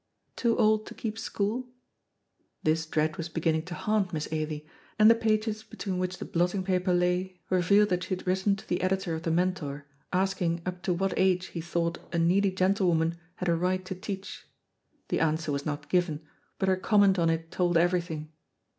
too old to keep school?" This dread was beginning to haunt Miss Ailie, and the pages between which the blotting paper lay revealed that she had written to the editor of the Mentor asking up to what age he thought a needy gentlewoman had a right to teach. The answer was not given, but her comment on it told everything.